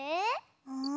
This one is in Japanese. うん？